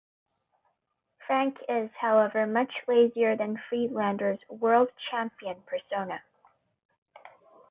Frank is however much lazier than Friedlander's "World Champion" persona.